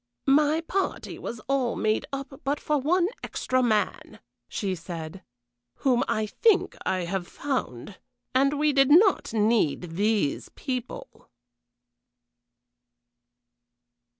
"My party was all made up but for one extra man," she said, "whom I think I have found; and we did not need these people."